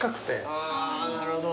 あなるほど。